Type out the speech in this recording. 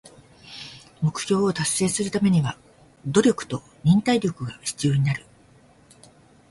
目標を達成するためには努力と忍耐力が必要になる。